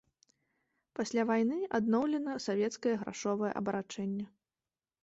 Пасля вайны адноўлена савецкае грашовае абарачэнне.